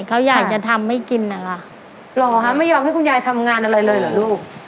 เขาอยากจะทำไม่กินนะคะหรอคะไม่ยอมให้คุณยายทำงานอะไรเลยเหรอลูก